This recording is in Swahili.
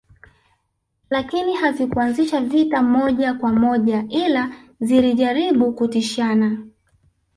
Lakini hazikuanzisha vita moja kwa moja ila zilijaribu kutishana